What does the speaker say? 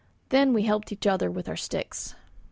Then we helped each other with our sticks.